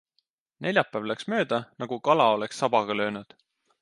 Neljapäev läks mööda nagu kala oleks sabaga löönud.